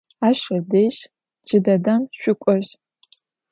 Aş ıdej cıdedem şsuk'oj.